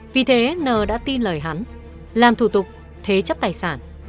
vì thế nờ đã tin lời hắn làm thủ tục thế chấp tài sản